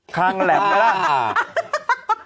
ข้างแหลมไปแล้ว